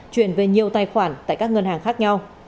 chuyển về nhiều tài khoản tại các ngân hàng khác nhau